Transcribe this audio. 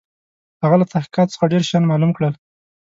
هغه له تحقیقاتو څخه ډېر شيان معلوم کړل.